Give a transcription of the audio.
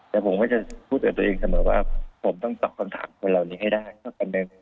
แต่ผมไม่จะพูดกับตัวเองเสมอว่าผมต้องตอบคำถามคนเหล่านี้ให้ได้